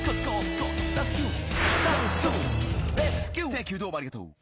サンキューどうもありがとう。